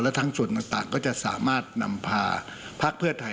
และทั้งส่วนต่างก็จะสามารถนำพาพักเพื่อไทย